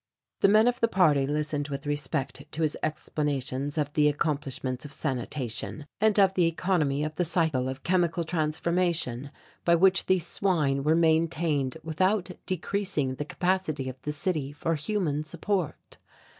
The men of the party listened with respect to his explanations of the accomplishments of sanitation and of the economy of the cycle of chemical transformation by which these swine were maintained without decreasing the capacity of the city for human support.